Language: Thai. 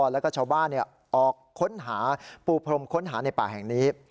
แล้วก็ชาวบ้านออกค้นหาปูพรมค้นหาในป่าแห่งนี้